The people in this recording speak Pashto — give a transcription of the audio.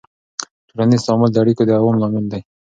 ټولنیز تعامل د اړیکو د دوام لامل دی.